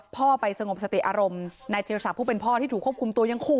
พ่อไปสงบสติอารมณ์นายธิรศักดิ์ผู้เป็นพ่อที่ถูกควบคุมตัวยังขู่